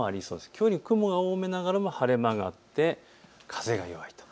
きょうより雲が多めながらも晴れ間があって風が弱い。